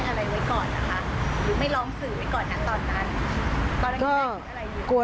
หรือไม่ลองสื่อไว้ก่อนตอนนั้น